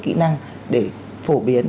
kỹ năng để phổ biến